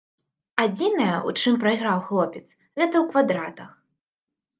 Адзінае, у чым прайграў хлопец, гэта ў квадратах.